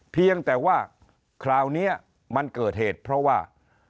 เพียงแต่ว่าคราวนี้มันเกิดเหตุเพราะว่า